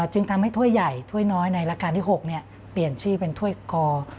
จึงทำให้ถ้วยใหญ่ถ้วยน้อยในรัชกาลที่๖เปลี่ยนชื่อเป็นถ้วยกอ